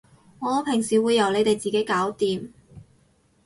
我平時會由你哋自己搞掂